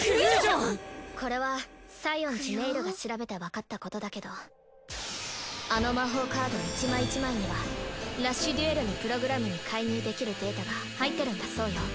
これは西園寺ネイルが調べてわかったことだけどあの魔法カード１枚１枚にはラッシュデュエルのプログラムに介入できるデータが入ってるんだそうよ。